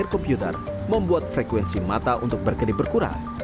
air computer membuat frekuensi mata untuk berkedip berkurang